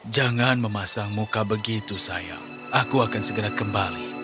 jangan memasang muka begitu sayang aku akan segera kembali